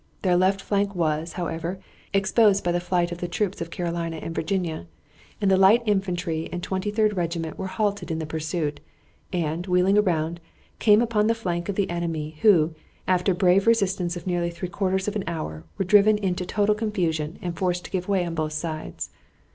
Their left flank was, however, exposed by the flight of the troops of Carolina and Virginia, and the light infantry and Twenty third Regiment were halted in the pursuit, and, wheeling around, came upon the flank of the enemy, who, after a brave resistance of nearly three quarters of an hour, were driven into total confusion and forced to give way on both sides.